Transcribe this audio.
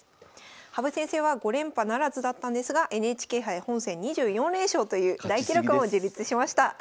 羽生先生は５連覇ならずだったんですがＮＨＫ杯本戦２４連勝という大記録も樹立しました。